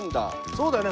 そうだよね。